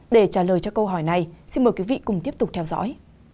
để trả lời cho câu hỏi này xin mời quý vị cùng tiếp tục theo dõi